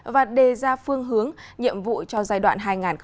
và đề ra phương hướng nhiệm vụ cho giai đoạn hai nghìn hai mươi một hai nghìn ba mươi